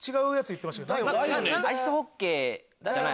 アイスホッケー？